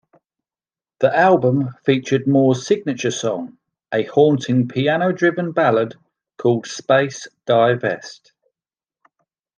The album featured Moore's signature song, a haunting piano-driven ballad called Space-Dye Vest.